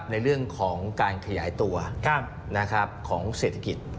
ในเรื่องของการขยายตัวของเศรษฐกิจ